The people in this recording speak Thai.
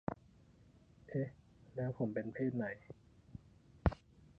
เอ๊ะ ! แล้วผมเป็นเพศไหน ! ?